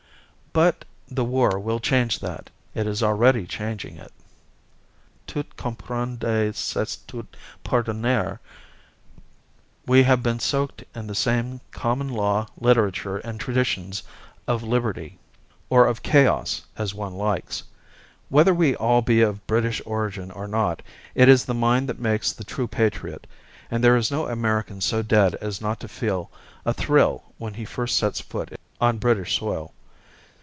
But the war will change that, is already changing it. 'Tout comprendre c'est tout pardonner'. We have been soaked in the same common law, literature, and traditions of liberty or of chaos, as one likes. Whether we all be of British origin or not, it is the mind that makes the true patriot; and there is no American so dead as not to feel a thrill when he first sets foot on British soil.